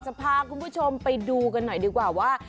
จะพาคุณผู้ชมไปดูกันหน่อยดีกว่าว่า